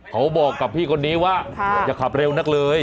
เขาบอกกับพี่คนนี้ว่าอย่าขับเร็วนักเลย